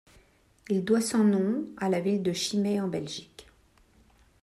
Il doit son nom à la ville de Chimay en Belgique.